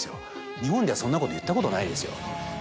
日本ではそんなこと言ったことないですよ。